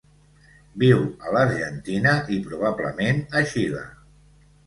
Viu a l'Argentina i probablement a Xile.